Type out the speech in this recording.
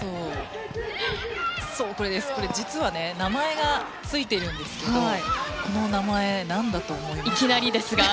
実は、名前がついているんですけどこの名前、何だと思います？